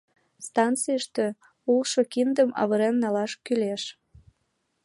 Станцийыште улшо киндым авырен налаш кӱлеш!